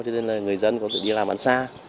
cho nên là người dân có thể đi làm ăn xa